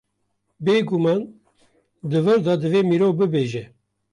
Bêguman di vir de divê mirov bibêje.